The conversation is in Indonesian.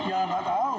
ya nggak tahu